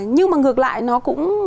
nhưng mà ngược lại nó cũng